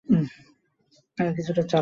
দেহ লম্বা এবং কিছুটা চাপা।